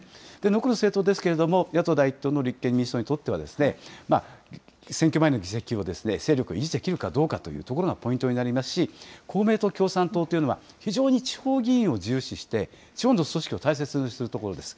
残る政党ですけれども、野党第１党の立憲民主党にとっては、選挙前の議席を、勢力を維持できるかというところがポイントになりますし、公明党、共産党というのは、非常に地方議員を重視して、地方の組織を大切にするところです。